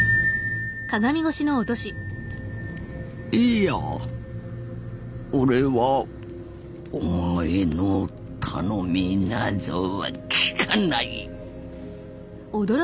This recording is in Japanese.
いやおれはお前の頼みなぞは聞かない。